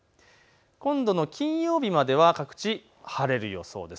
今度の金曜日までは各地晴れる予想です。